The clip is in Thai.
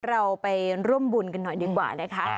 เราไปร่วมบุญกันหน่อยดีกว่านะคะ